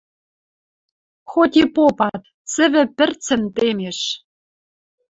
Хоть и попат: цӹвӹ пӹрцӹн темеш